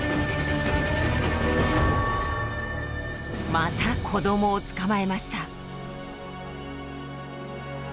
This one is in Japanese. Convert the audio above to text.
また子どもを捕まえました。